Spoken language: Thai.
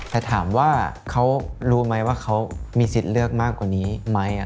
แต่ถามว่าเขารู้ไหมว่าเขามีสิทธิ์เลือกมากกว่านี้ไหม